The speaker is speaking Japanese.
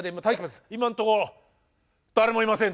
今んとこ誰もいません」